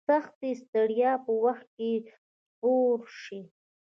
سختي ستړیا په وخت کې سپور شي.